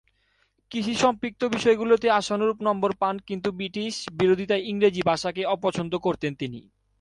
কৃষি সম্পৃক্ত বিষয়গুলোতে আশানুরূপ নম্বর পান কিন্তু ব্রিটিশ বিরোধীতায় ইংরেজি ভাষাকে অপছন্দ করতেন তিনি।